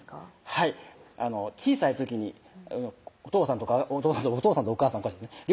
はい小さい時にお父さんとかお父さんとお母さんおかしいですね